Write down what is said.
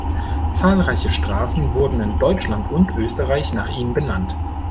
Zahlreiche Straßen wurden in Deutschland und Österreich nach ihm benannt.